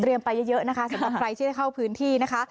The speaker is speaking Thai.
ไปเยอะนะคะสำหรับใครที่ได้เข้าพื้นที่นะคะ